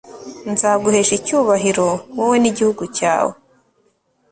nzaguhesha icyubahiro, wowe n'igihugu cyawe